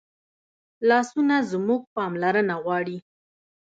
لاسونه زموږ پاملرنه غواړي